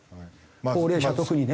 高齢者は特にね。